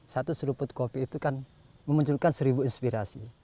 satu seruput kopi itu kan memunculkan seribu inspirasi